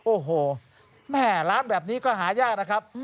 โอ้โหแม่ร้านแบบนี้ก็หายากนะครับ